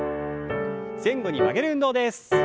前後に曲げる運動です。